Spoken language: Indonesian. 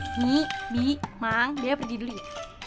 nyi bi mang dia pergi dulu ya